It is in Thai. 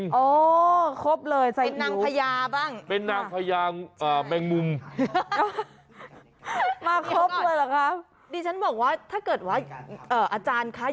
มาครบเลยใส่อิ๋วเป็นนางพยาบ้างมาครบเลยหรือครับดิฉันบอกว่าถ้าเกิดว่าอาจารย์คะ